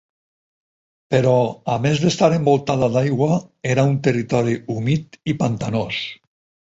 Però a més d'estar envoltada d'aigua era un territori humit i pantanós.